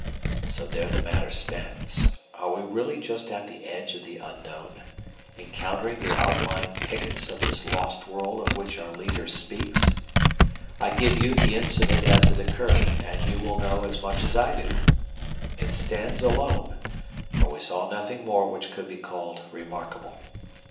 So there the matter stands. Are we really just at the edge of the unknown, encountering the outlying pickets of this lost world of which our leader speaks? I give you the incident as it occurred and you will know as much as I do. It stands alone, for we saw nothing more which could be called remarkable.